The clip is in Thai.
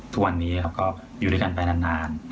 ตอนนี้ก็อยู่ด้วยกันไปนาน